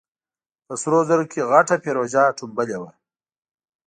په سرو زرو کې غټه فېروزه ټومبلې وه.